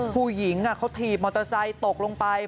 ผู้หญิงเขาถีบมอเตอร์ไซค์ตกลงไป